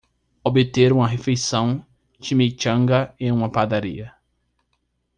Obter uma refeição chimichanga em uma padaria